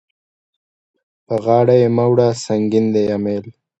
په غاړه يې مه وړه سنګين دی امېل.